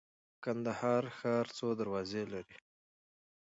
کندهار ښار څو دروازې لري؟